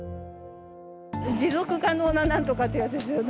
持続可能な何とかっていうやつですよね。